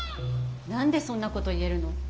何でそんなこと言えるの？